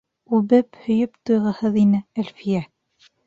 Үбеп, һөйөп туйғыһыҙ ине Әлфиә.